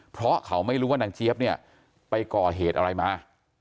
เพราะเขาไม่รู้ว่านางเจี๊ยบเนี่ยไปก่อเหตุอะไรมา